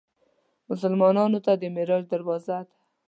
مسلمانانو ته د معراج دروازه ده.